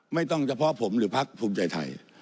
ไม่ต้องเฉพาะผมหรือภักดิ์ภูมิใจไทย